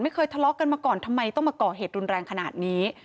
ทะเลาะกันมาก่อนทำไมต้องมาก่อเหตุรุนแรงขนาดนี้